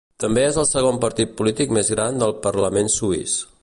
També és el segon partit polític més gran del parlament suïs.